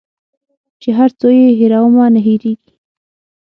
چي هر څو یې هېرومه نه هیریږي